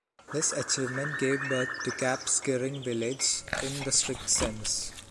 This achievement gave birth to Cap Skirring village in the strict sense.